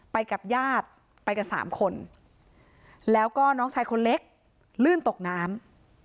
ไปกับญาติไปกันสามคนแล้วก็น้องชายคนเล็กลื่นตกน้ำ